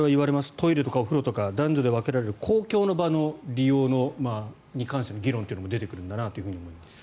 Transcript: トイレとかお風呂とか男女で分けられる公共の場の利用に関しての議論というのも出てくるんだなと思います。